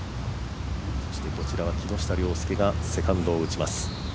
こちらは木下稜介がセカンド打ちます。